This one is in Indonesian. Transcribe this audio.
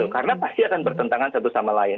karena pasti akan bertentangan satu sama lain